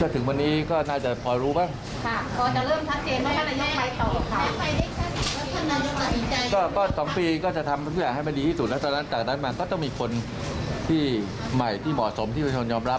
ท่านนายจะรู้มั้ย